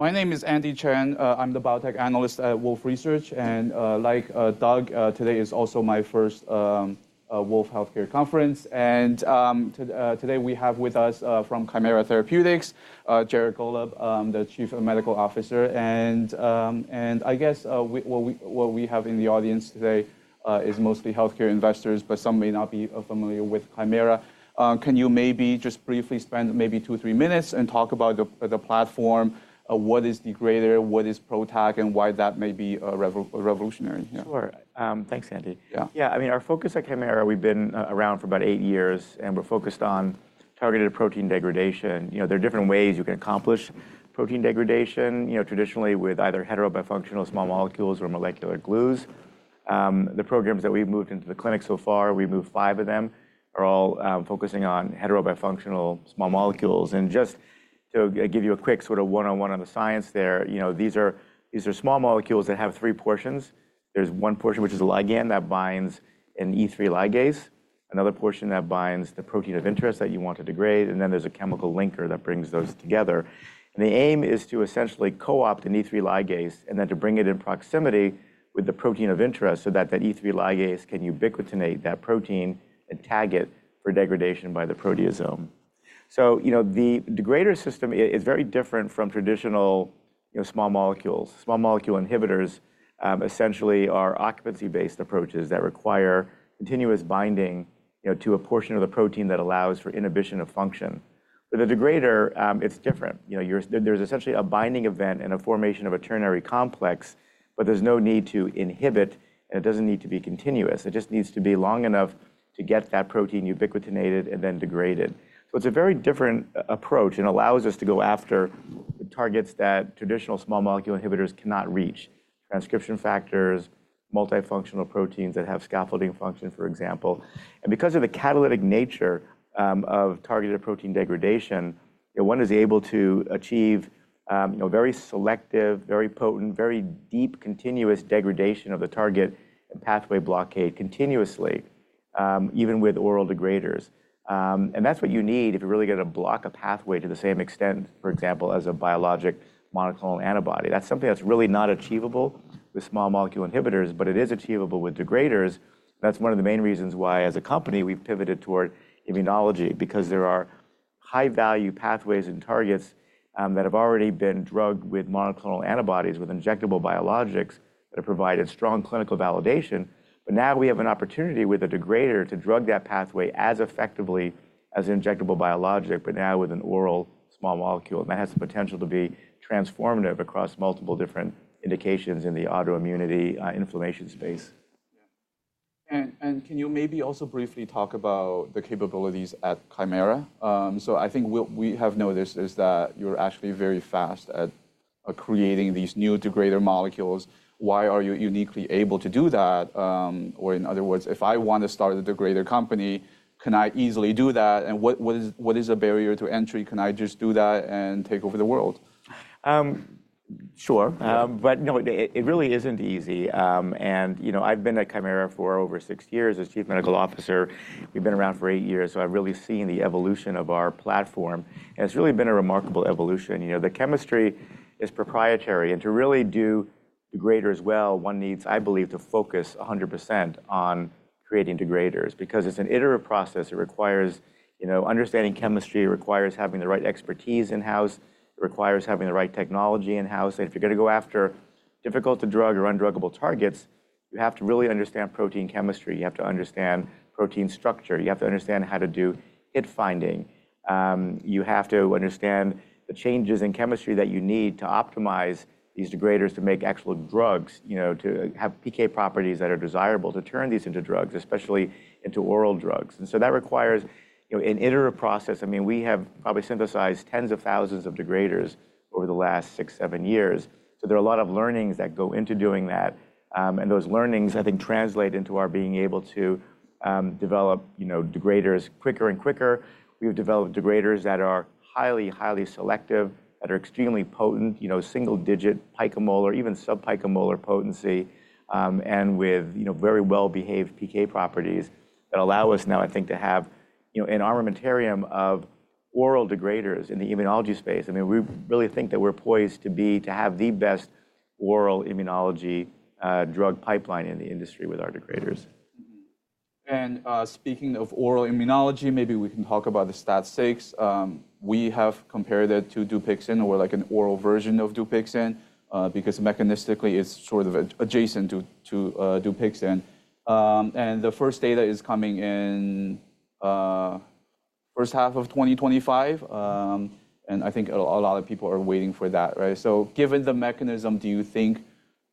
My name is Andy Chen. I'm the biotech analyst at Wolfe Research. And like Doug, today is also my first Wolfe Healthcare Conference. And today we have with us from Kymera Therapeutics, Jared Gollob, the Chief Medical Officer. And I guess what we have in the audience today is mostly healthcare investors, but some may not be familiar with Kymera. Can you maybe just briefly spend maybe two, three minutes and talk about the platform? What is Degrader? What is PROTAC? And why that may be revolutionary? Sure. Thanks, Andy. Yeah, I mean, our focus at Kymera, we've been around for about eight years, and we're focused on targeted protein degradation. There are different ways you can accomplish protein degradation, traditionally with either heterobifunctional small molecules or molecular glues. The programs that we've moved into the clinic so far, we moved five of them, are all focusing on heterobifunctional small molecules. Just to give you a quick sort of one-on-one on the science there, these are small molecules that have three portions. There's one portion, which is a ligand that binds an E3 Ligase, another portion that binds the protein of interest that you want to degrade, and then there's a chemical linker that brings those together. The aim is to essentially co-opt an E3 Ligase and then to bring it in proximity with the protein of interest so that that E3 Ligase can ubiquitinate that protein and tag it for degradation by the proteasome. The degrader system is very different from traditional small molecules. Small molecule inhibitors essentially are occupancy-based approaches that require continuous binding to a portion of the protein that allows for inhibition of function. With the degrader, it's different. There's essentially a binding event and a formation of a ternary complex, but there's no need to inhibit, and it doesn't need to be continuous. It just needs to be long enough to get that protein ubiquitinated and then degraded. It's a very different approach and allows us to go after targets that traditional small molecule inhibitors cannot reach: transcription factors, multifunctional proteins that have scaffolding function, for example. And because of the catalytic nature of targeted protein degradation, one is able to achieve very selective, very potent, very deep continuous degradation of the target and pathway blockade continuously, even with oral degraders. And that's what you need if you're really going to block a pathway to the same extent, for example, as a biologic monoclonal antibody. That's something that's really not achievable with small molecule inhibitors, but it is achievable with degraders. That's one of the main reasons why, as a company, we've pivoted toward immunology, because there are high-value pathways and targets that have already been drugged with monoclonal antibodies with injectable biologics that have provided strong clinical validation. But now we have an opportunity with a degrader to drug that pathway as effectively as an injectable biologic, but now with an oral small molecule. That has the potential to be transformative across multiple different indications in the autoimmunity inflammation space. Yeah. And can you maybe also briefly talk about the capabilities at Kymera? So I think what we have noticed is that you're actually very fast at creating these new degrader molecules. Why are you uniquely able to do that? Or in other words, if I want to start a degrader company, can I easily do that? And what is a barrier to entry? Can I just do that and take over the world? Sure. But no, it really isn't easy. And I've been at Kymera for over six years as Chief Medical Officer. We've been around for eight years, so I've really seen the evolution of our platform. And it's really been a remarkable evolution. The chemistry is proprietary. And to really do degrader as well, one needs, I believe, to focus 100% on creating degraders, because it's an iterative process. It requires understanding chemistry. It requires having the right expertise in-house. It requires having the right technology in-house. And if you're going to go after difficult-to-drug or undruggable targets, you have to really understand protein chemistry. You have to understand protein structure. You have to understand how to do hit finding. You have to understand the changes in chemistry that you need to optimize these degraders to make actual drugs, to have PK properties that are desirable to turn these into drugs, especially into oral drugs. And so that requires an iterative process. I mean, we have probably synthesized tens of thousands of degraders over the last six, seven years. So there are a lot of learnings that go into doing that. And those learnings, I think, translate into our being able to develop degraders quicker and quicker. We've developed degraders that are highly, highly selective, that are extremely potent, single-digit picomolar, even subpicomolar potency, and with very well-behaved PK properties that allow us now, I think, to have an armamentarium of oral degraders in the immunology space. I mean, we really think that we're poised to have the best oral immunology drug pipeline in the industry with our degraders. And speaking of oral immunology, maybe we can talk about the STAT6. We have compared it to Dupixent, or like an oral version of Dupixent, because mechanistically, it's sort of adjacent to Dupixent. And the first data is coming in the first half of 2025. And I think a lot of people are waiting for that. So given the mechanism, do you think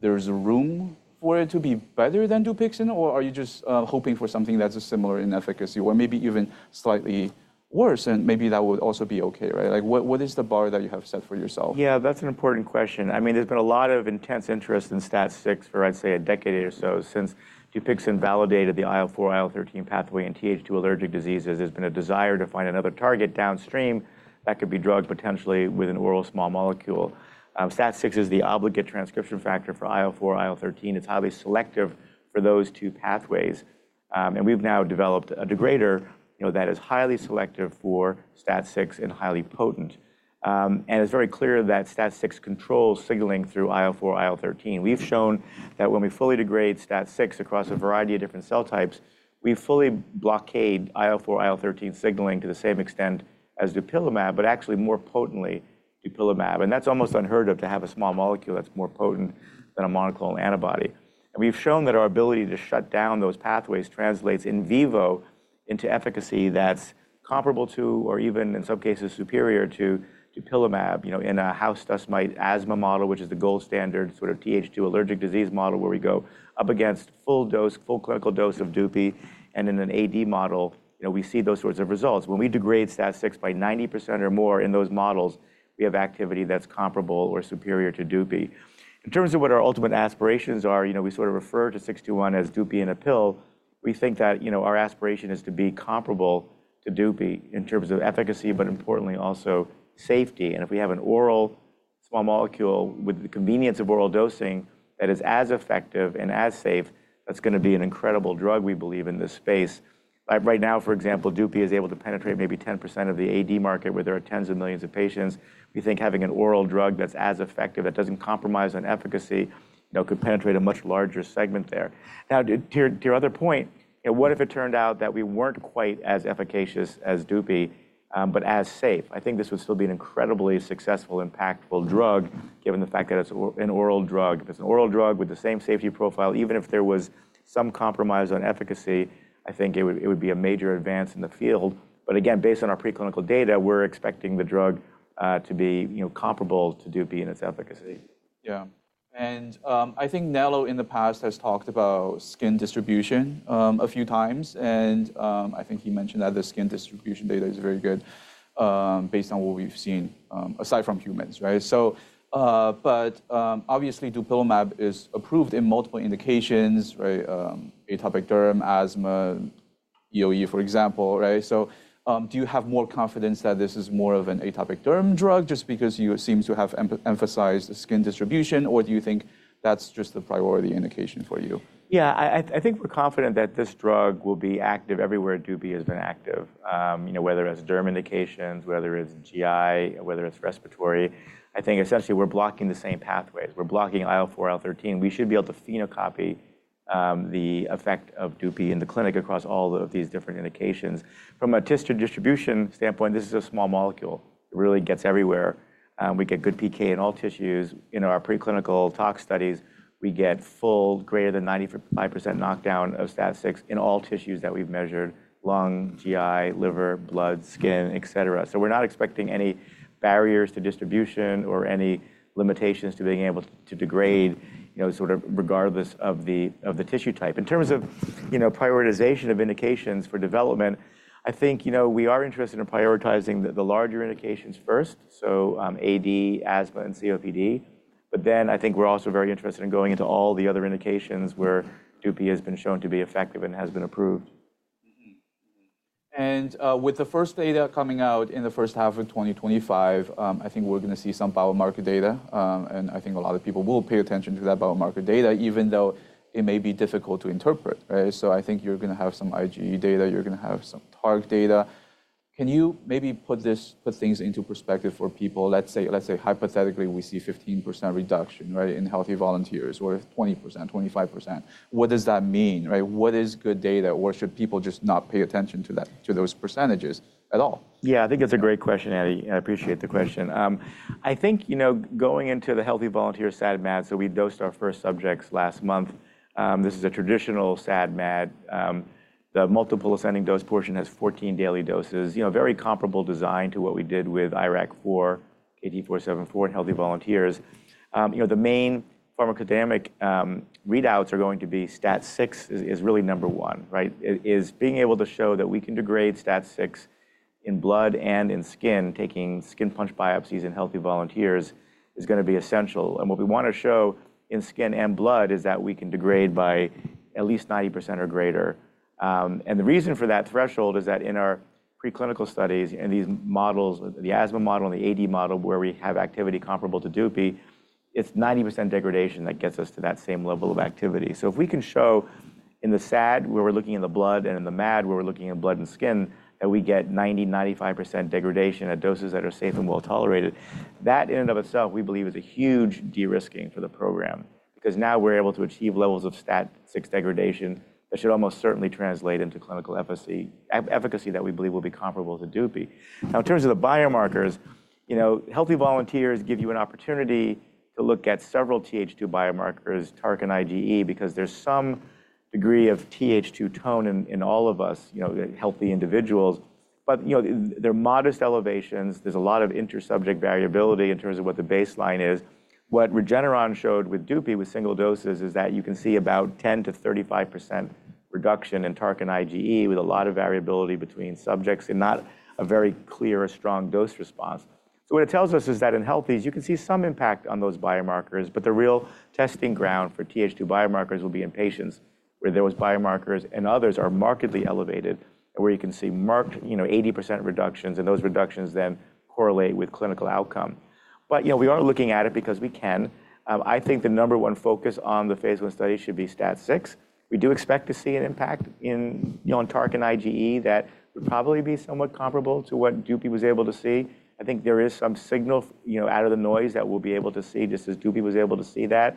there's room for it to be better than Dupixent, or are you just hoping for something that's similar in efficacy, or maybe even slightly worse? And maybe that would also be OK, right? What is the bar that you have set for yourself? Yeah, that's an important question. I mean, there's been a lot of intense interest in STAT6 for, I'd say, a decade or so since Dupixent validated the IL-4, IL-13 pathway in Th2 allergic diseases. There's been a desire to find another target downstream that could be drugged potentially with an oral small molecule. STAT6 is the obligate transcription factor for IL-4, IL-13. It's highly selective for those two pathways. And we've now developed a degrader that is highly selective for STAT6 and highly potent. And it's very clear that STAT6 controls signaling through IL-4, IL-13. We've shown that when we fully degrade STAT6 across a variety of different cell types, we fully blockade IL-4, IL-13 signaling to the same extent as dupilumab, but actually more potently dupilumab. And that's almost unheard of to have a small molecule that's more potent than a monoclonal antibody. And we've shown that our ability to shut down those pathways translates in vivo into efficacy that's comparable to, or even in some cases superior to, dupilumab. In a house dust mite asthma model, which is the gold standard sort of TH2 allergic disease model, where we go up against full dose, full clinical dose of DUPI, and in an AD model, we see those sorts of results. When we degrade STAT6 by 90% or more in those models, we have activity that's comparable or superior to DUPI. In terms of what our ultimate aspirations are, we sort of refer to 621 as DUPI in a pill. We think that our aspiration is to be comparable to DUPI in terms of efficacy, but importantly, also safety. And if we have an oral small molecule with the convenience of oral dosing that is as effective and as safe, that's going to be an incredible drug, we believe, in this space. Right now, for example, DUPI is able to penetrate maybe 10% of the AD market, where there are tens of millions of patients. We think having an oral drug that's as effective, that doesn't compromise on efficacy, could penetrate a much larger segment there. Now, to your other point, what if it turned out that we weren't quite as efficacious as DUPI, but as safe? I think this would still be an incredibly successful, impactful drug, given the fact that it's an oral drug. If it's an oral drug with the same safety profile, even if there was some compromise on efficacy, I think it would be a major advance in the field. But again, based on our preclinical data, we're expecting the drug to be comparable to DUPI in its efficacy. Yeah, and I think Nello in the past has talked about skin distribution a few times, and I think he mentioned that the skin distribution data is very good, based on what we've seen, aside from humans, right, but obviously, dupilumab is approved in multiple indications: atopic derm, asthma, EOE, for example, right, so do you have more confidence that this is more of an atopic derm drug just because you seem to have emphasized skin distribution, or do you think that's just the priority indication for you? Yeah, I think we're confident that this drug will be active everywhere DUPI has been active, whether it's derm indications, whether it's GI, whether it's respiratory. I think essentially we're blocking the same pathways. We're blocking IL4, IL13. We should be able to phenocopy the effect of DUPI in the clinic across all of these different indications. From a tissue distribution standpoint, this is a small molecule. It really gets everywhere. We get good PK in all tissues. In our preclinical tox studies, we get full greater than 95% knockdown of Stat6 in all tissues that we've measured: lung, GI, liver, blood, skin, et cetera. So we're not expecting any barriers to distribution or any limitations to being able to degrade, sort of regardless of the tissue type. In terms of prioritization of indications for development, I think we are interested in prioritizing the larger indications first, so AD, asthma, and COPD, but then I think we're also very interested in going into all the other indications where DUPI has been shown to be effective and has been approved. And with the first data coming out in the first half of 2025, I think we're going to see some biomarker data. And I think a lot of people will pay attention to that biomarker data, even though it may be difficult to interpret. So I think you're going to have some IgE data. You're going to have some target data. Can you maybe put things into perspective for people? Let's say, hypothetically, we see 15% reduction in healthy volunteers, or 20%-25%. What does that mean? What is good data, or should people just not pay attention to those percentages at all? Yeah, I think that's a great question, Andy. I appreciate the question. I think going into the healthy volunteers SAD/MAD, so we dosed our first subjects last month. This is a traditional SAD/MAD. The multiple ascending dose portion has 14 daily doses, very comparable design to what we did with IRAK4, KT-474, and healthy volunteers. The main pharmacodynamic readouts are going to be STAT6 is really number one, right? It is being able to show that we can degrade STAT6 in blood and in skin. Taking skin punch biopsies in healthy volunteers is going to be essential, and what we want to show in skin and blood is that we can degrade by at least 90% or greater. The reason for that threshold is that in our preclinical studies and these models, the asthma model and the AD model, where we have activity comparable to DUPI, it's 90% degradation that gets us to that same level of activity. So if we can show in the SAD, where we're looking at the blood, and in the MAD, where we're looking at blood and skin, that we get 90%, 95% degradation at doses that are safe and well tolerated, that in and of itself, we believe, is a huge de-risking for the program, because now we're able to achieve levels of STAT6 degradation that should almost certainly translate into clinical efficacy that we believe will be comparable to DUPI. Now, in terms of the biomarkers, healthy volunteers give you an opportunity to look at several TH2 biomarkers, TARC and IgE, because there's some degree of TH2 tone in all of us, healthy individuals. But they're modest elevations. There's a lot of inter-subject variability in terms of what the baseline is. What Regeneron showed with DUPI with single doses is that you can see about 10%-35% reduction in TARC and IgE, with a lot of variability between subjects and not a very clear or strong dose response. So what it tells us is that in healthies, you can see some impact on those biomarkers. But the real testing ground for TH2 biomarkers will be in patients where those biomarkers and others are markedly elevated, and where you can see marked 80% reductions. And those reductions then correlate with clinical outcome. But we are looking at it because we can. I think the number one focus on the phase one study should be STAT6. We do expect to see an impact on TARC and IgE that would probably be somewhat comparable to what DUPI was able to see. I think there is some signal out of the noise that we'll be able to see, just as DUPI was able to see that.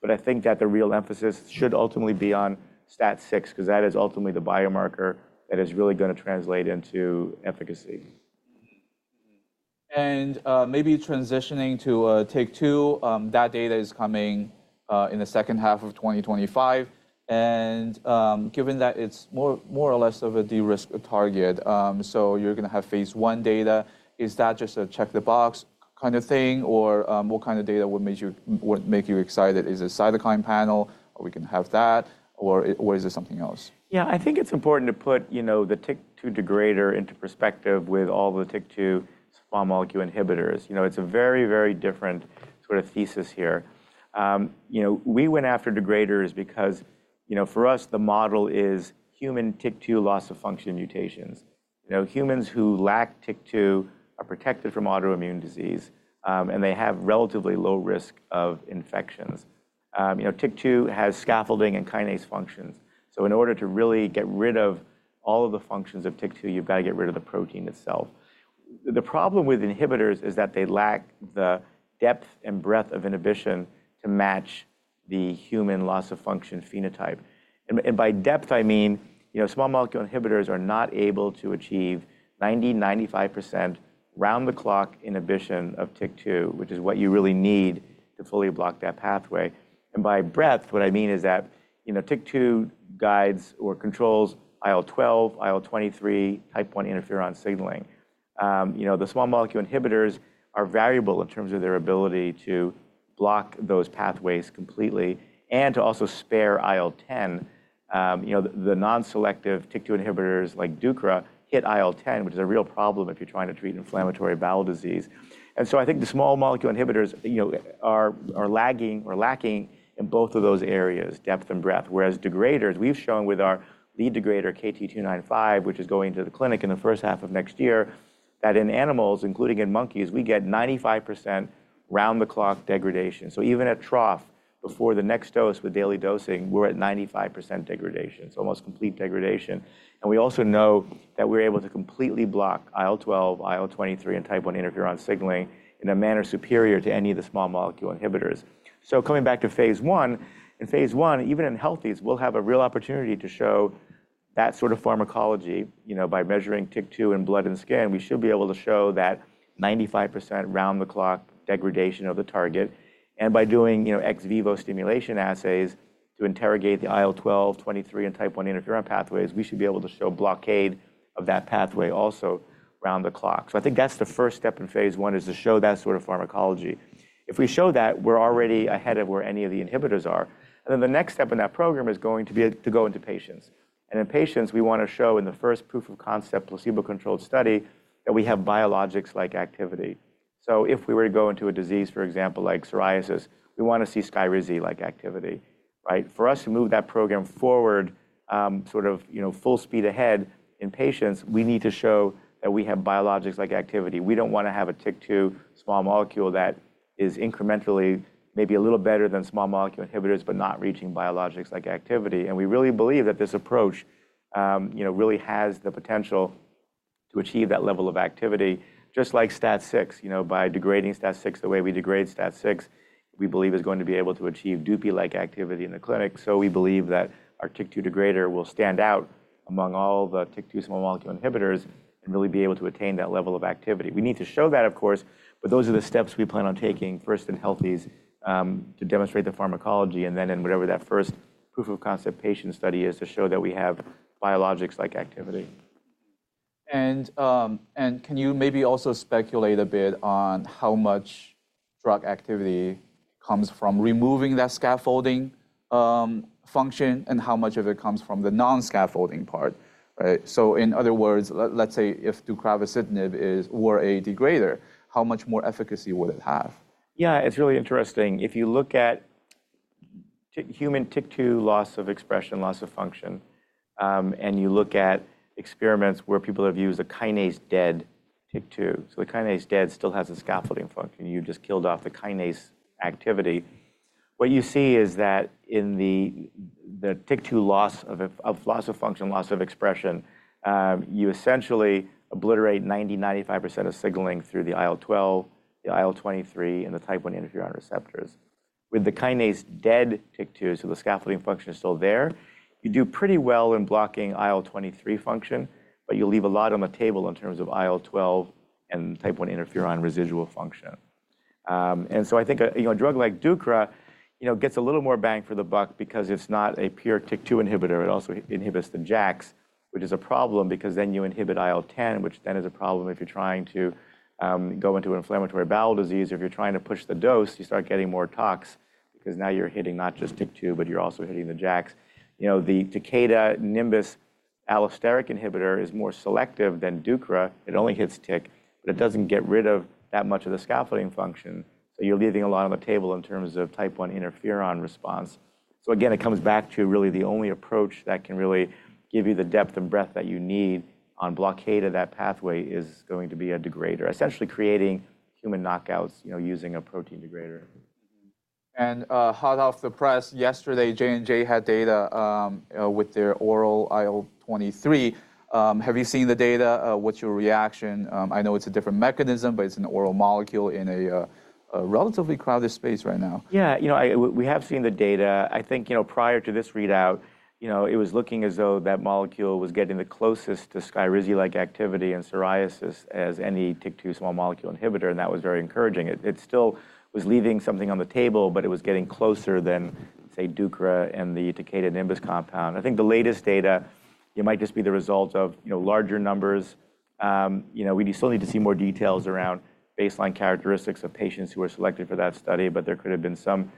But I think that the real emphasis should ultimately be on STAT6, because that is ultimately the biomarker that is really going to translate into efficacy. Maybe transitioning to TYK2, that data is coming in the second half of 2025. Given that it's more or less of a de-risk target, so you're going to have phase 1 data, is that just a check-the-box kind of thing, or what kind of data would make you excited? Is it a cytokine panel? Are we going to have that, or is it something else? Yeah, I think it's important to put the TYK2 degrader into perspective with all the TYK2 small molecule inhibitors. It's a very, very different sort of thesis here. We went after degraders because for us, the model is human TYK2 loss of function mutations. Humans who lack TYK2 are protected from autoimmune disease, and they have relatively low risk of infections. TYK2 has scaffolding and kinase functions. So in order to really get rid of all of the functions of TYK2, you've got to get rid of the protein itself. The problem with inhibitors is that they lack the depth and breadth of inhibition to match the human loss of function phenotype. And by depth, I mean small molecule inhibitors are not able to achieve 90%, 95% round-the-clock inhibition of TYK2, which is what you really need to fully block that pathway. By breadth, what I mean is that TYK2 guides or controls IL-12, IL-23, Type I interferon signaling. The small molecule inhibitors are variable in terms of their ability to block those pathways completely and to also spare IL-10. The non-selective TYK2 inhibitors like Duecra hit IL-10, which is a real problem if you're trying to treat inflammatory bowel disease. I think the small molecule inhibitors are lagging or lacking in both of those areas, depth and breadth, whereas degraders, we've shown with our lead degrader, KT-295, which is going to the clinic in the first half of next year, that in animals, including in monkeys, we get 95% round-the-clock degradation. Even at trough, before the next dose with daily dosing, we're at 95% degradation, so almost complete degradation. We also know that we're able to completely block IL-12, IL-23, and Type I interferon signaling in a manner superior to any of the small molecule inhibitors. Coming back to phase 1, in phase 1, even in healthies, we'll have a real opportunity to show that sort of pharmacology. By measuring TYK2 in blood and skin, we should be able to show that 95% round-the-clock degradation of the target. By doing ex vivo stimulation assays to interrogate the IL-12, IL-23, and Type I interferon pathways, we should be able to show blockade of that pathway also round-the-clock. That's the first step in phase 1: to show that sort of pharmacology. If we show that, we're already ahead of where any of the inhibitors are. The next step in that program is going to be to go into patients. And in patients, we want to show in the first proof of concept placebo-controlled study that we have biologics-like activity. So if we were to go into a disease, for example, like psoriasis, we want to see biologics-like activity. For us to move that program forward sort of full speed ahead in patients, we need to show that we have biologics-like activity. We don't want to have a TYK2 small molecule that is incrementally maybe a little better than small molecule inhibitors, but not reaching biologics-like activity. And we really believe that this approach really has the potential to achieve that level of activity, just like Stat6. By degrading Stat6 the way we degrade Stat6, we believe is going to be able to achieve DUPI-like activity in the clinic. We believe that our TYK2 degrader will stand out among all the TYK2 small molecule inhibitors and really be able to attain that level of activity. We need to show that, of course. Those are the steps we plan on taking first in healthies to demonstrate the pharmacology, and then in whatever that first proof of concept patient study is to show that we have biologics-like activity. Can you maybe also speculate a bit on how much drug activity comes from removing that scaffolding function and how much of it comes from the non-scaffolding part? So in other words, let's say if deucravacitinib were a degrader, how much more efficacy would it have? Yeah, it's really interesting. If you look at human TYK2 loss of expression, loss of function, and you look at experiments where people have used a kinase dead TYK2, so the kinase dead still has a scaffolding function. You just killed off the kinase activity. What you see is that in the TYK2 loss of function, loss of expression, you essentially obliterate 90%, 95% of signaling through the IL-12, the IL-23, and the type I interferon receptors. With the kinase dead TYK2, so the scaffolding function is still there, you do pretty well in blocking IL-23 function, but you leave a lot on the table in terms of IL-12 and type I interferon residual function. And so I think a drug like Duecra gets a little more bang for the buck because it's not a pure TYK2 inhibitor. It also inhibits the JAKs, which is a problem because then you inhibit IL-10, which then is a problem if you're trying to go into inflammatory bowel disease. If you're trying to push the dose, you start getting more tox because now you're hitting not just TYK2, but you're also hitting the JAKs. The Takeda Nimbus allosteric inhibitor is more selective than Duecra. It only hits TYK2, but it doesn't get rid of that much of the scaffolding function. So you're leaving a lot on the table in terms of type I interferon response. So again, it comes back to really the only approach that can really give you the depth and breadth that you need on blockade of that pathway is going to be a degrader, essentially creating human knockouts using a protein degrader. And hot off the press, yesterday, J&J had data with their oral IL-23. Have you seen the data? What's your reaction? I know it's a different mechanism, but it's an oral molecule in a relatively crowded space right now. Yeah, we have seen the data. I think prior to this readout, it was looking as though that molecule was getting the closest to sclerosis-like activity and psoriasis as any TYK2 small molecule inhibitor. And that was very encouraging. It still was leaving something on the table, but it was getting closer than, say, Duecra and the Takeda Nimbus compound. I think the latest data might just be the result of larger numbers. We still need to see more details around baseline characteristics of patients who were selected for that study. But there could have been some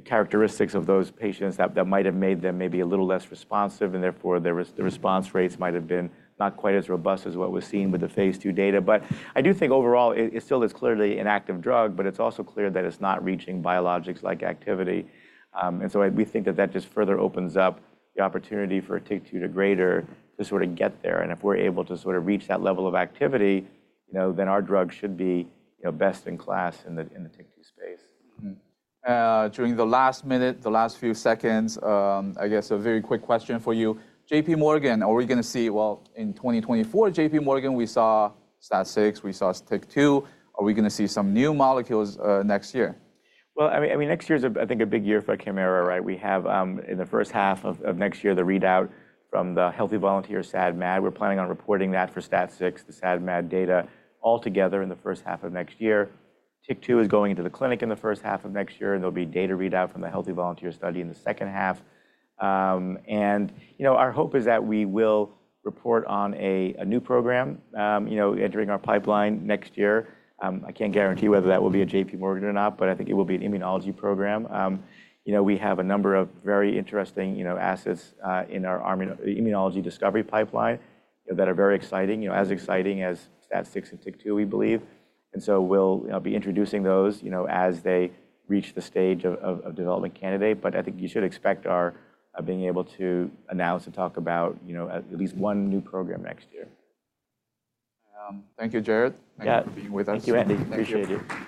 characteristics of those patients that might have made them maybe a little less responsive. And therefore, the response rates might have been not quite as robust as what was seen with the phase two data. But I do think overall, it still is clearly an active drug, but it's also clear that it's not reaching biologics-like activity. And so we think that that just further opens up the opportunity for a TYK2 degrader to sort of get there. And if we're able to sort of reach that level of activity, then our drug should be best in class in the TYK2 space. During the last minute, the last few seconds, I guess a very quick question for you. JPMorgan. Morgan, are we going to see, well, in 2024, JPMorgan. Morgan, we saw STAT6, we saw TYK2. Are we going to see some new molecules next year? I mean, next year is, I think, a big year for Kymera, right? We have, in the first half of next year, the readout from the Healthy Volunteers SAD/MAD. We're planning on reporting that for Stat6, the SADMAD data altogether in the first half of next year. TYK2 is going into the clinic in the first half of next year. There'll be data readout from the Healthy Volunteers study in the second half, and our hope is that we will report on a new program entering our pipeline next year. I can't guarantee whether that will be a JPMorgan. Morgan or not, but I think it will be an immunology program. We have a number of very interesting assets in our immunology discovery pipeline that are very exciting, as exciting as Stat6 and TYK2, we believe. And so we'll be introducing those as they reach the stage of development candidate. But I think you should expect our being able to announce and talk about at least one new program next year. Thank you, Jared. Thank you for being with us. Thank you, Andy. Appreciate it.